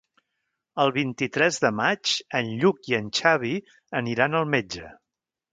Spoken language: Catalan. El vint-i-tres de maig en Lluc i en Xavi aniran al metge.